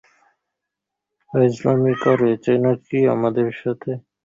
প্রথমে ইহা ইচ্ছাসহ কৃত ছিল, পরে উহাতে আর ইচ্ছার প্রয়োজন রহিল না।